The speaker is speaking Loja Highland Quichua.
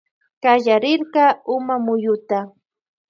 Kallarirka umamuyuta.